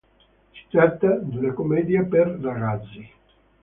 Si tratta di una commedia per ragazzi.